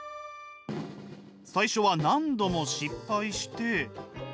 最初は何度も失敗して。